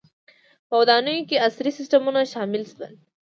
• په ودانیو کې عصري سیستمونه شامل شول.